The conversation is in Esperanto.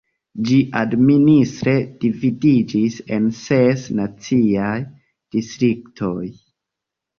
Ĝi administre dividiĝis en ses naciaj distriktoj.